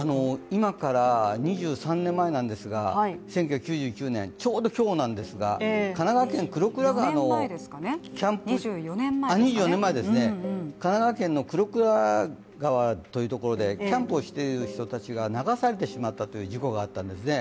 今から２３年前なんですが、１９９９年ちょうど今日なんですが、神奈川県玄倉川というところでキャンプをしていた人が流されてしまったという事故があったんですね。